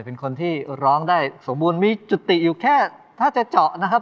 เป็นคนที่ร้องได้สมบูรณ์มีจุติอยู่แค่ถ้าจะเจาะนะครับ